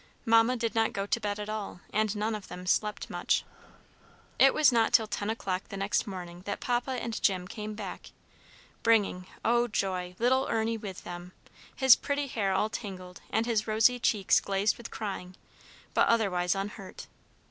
Mamma did not go to bed at all, and none of them slept much. It was not till ten o'clock the next morning that Papa and Jim came back, bringing oh, joy! little Ernie with them, his pretty hair all tangled and his rosy cheeks glazed with crying, but otherwise unhurt.